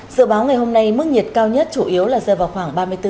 dự báo ngày hôm nay mức nhiệt cao nhất chủ yếu là giờ vào khoảng ba mươi bốn ba mươi năm độ c